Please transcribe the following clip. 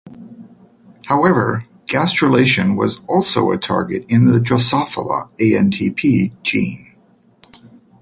However, gastrulation was also a target in the "Drosophila" Antp gene.